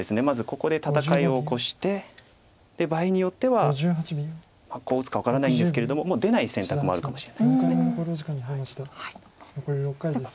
まずここで戦いを起こして場合によってはこう打つか分からないんですけれども出ない選択もあるかもしれないです。